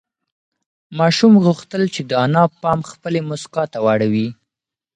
ماشوم غوښتل چې د انا پام خپلې مسکا ته واړوي.